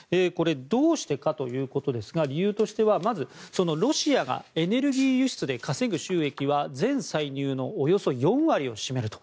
どうしてかということですが理由としてはまず、ロシアがエネルギー輸出で稼ぐ収益は全歳入のおよそ４割を占めると。